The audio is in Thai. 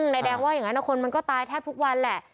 นายแดงว่าอย่างนั้นนะคนมันก็ตายแทบทุกวันแหละ